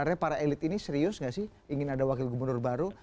karena para elit ini serius gak sih ingin ada wakil gubernur baru